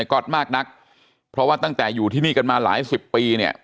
ก๊อตมากนักเพราะว่าตั้งแต่อยู่ที่นี่กันมาหลายสิบปีเนี่ย